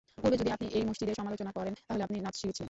পূর্বে যদি আপনি এই মসজিদের সমালোচনা করেন তাহলে আপনি নাৎসি ছিলেন।